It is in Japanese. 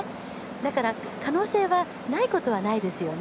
だから可能性はないことはないですよね。